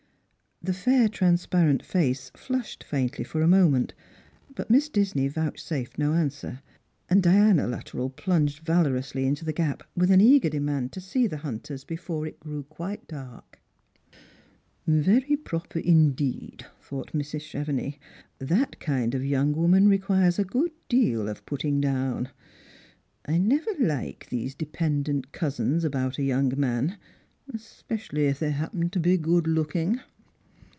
The fair transparent face flushed faintly for a moment, but Miss Disney vouchsafed no answer; and Diana Luttrell plunged valorously into the gap with an eager demand to see the hunters before it grew quite dark. "Very proper indeed," thought Mrs. Chevenix; "that kind of young woman requires a good deal of putting down. I never like the. o dependent cousins about a young man — especially if they happen to be good looking."